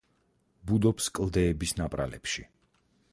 ბუდობს კლდეების ნაპრალებში.